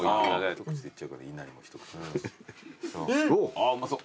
ああうまそう。